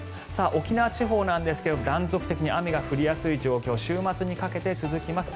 沖縄地方なんですが断続的に雨の降りやすい状況が週末にかけて続きます。